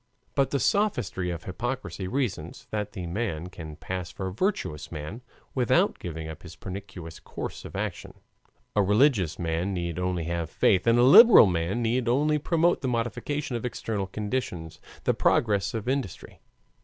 But the sophistry of hypocrisy reasons that the merchant can pass for a virtuous man without giving up his pernicious course of action; a religious man need only have faith and a liberal man need only promote the modification of external conditions the progress of industry.